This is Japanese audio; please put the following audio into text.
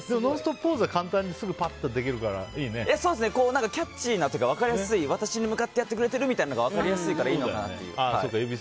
ポーズは簡単にすぐできるからキャッチーなというか分かりやすいというか私に向かってやってくれてるみたいなのが分かりやすいからいいのかなって。